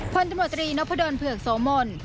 คนตำรวจรีนพเผือกโสมล